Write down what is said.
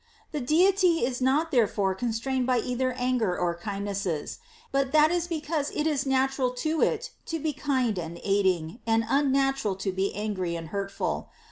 The Deity is not therefore con strained by either anger or kindnesses ; but that is be cause it is natural to it to be kind and aiding, and unnatural to be angry and hurtful.